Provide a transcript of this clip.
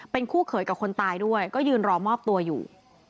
เป็นคู่เขยกับคนตายด้วยก็ยืนรอมอบตัวอยู่